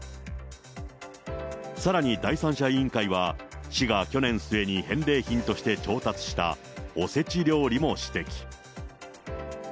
さらに第三者委員会は市が去年末に返礼品として調達したおせち料理も指摘。